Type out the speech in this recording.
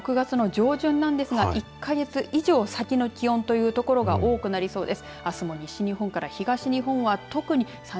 今、まだ６月の上旬なんですが１か月以上先の気温という所が多くなりそうです。